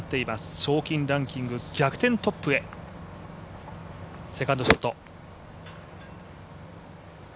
賞金ランキング逆転トップへセカンドショット。